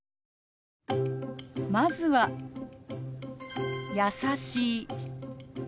まずは「優しい」。